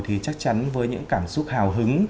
thì chắc chắn với những cảm xúc hào hứng